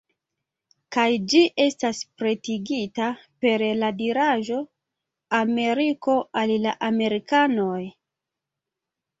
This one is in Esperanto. Kaj ĝi estas pretigita per la diraĵo: ""Ameriko al la amerikanoj""